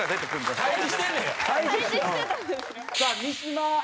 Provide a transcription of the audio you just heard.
さあ三島。